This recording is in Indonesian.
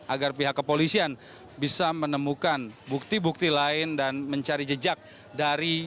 agar pihak kepolisian bisa menemukan bukti bukti lain dan mencari jejak dari